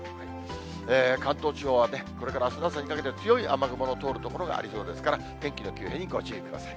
関東地方は、これからあすの朝にかけて、強い雨雲の通る所がありそうですから、天気の急変にご注意ください。